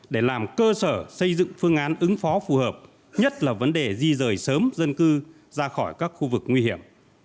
để làm cơ sở xây dựng phương án ứng phó phù hợp nhất là vấn đề di rời sớm dân cư ra khỏi các khu vực nguy hiểm